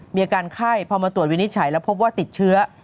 มีอาการไข้พอมาตรวจวินิจฉัยแล้วพบว่าติดเชื้อ